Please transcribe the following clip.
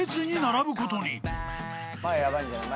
前ヤバいんじゃない？